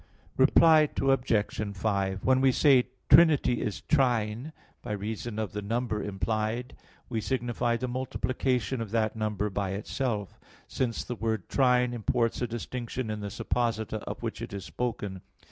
_ Reply Obj. 5: When we say, "Trinity is trine," by reason of the number implied, we signify the multiplication of that number by itself; since the word trine imports a distinction in the supposita of which it is spoken.